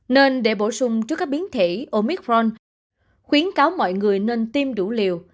nên để bổ sung trước các biến thể omicron khuyến cáo mọi người nên tiêm đủ liều